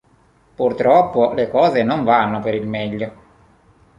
Purtroppo le cose non vanno per il meglio.